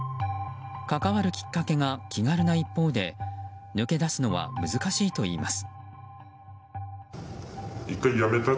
関わるきっかけが気軽な一方で抜け出すのは難しいといいます。